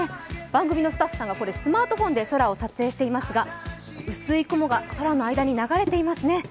番組のスタッフさんがスマートフォンで空を撮影していますが、薄い雲が空の間に流れていますね。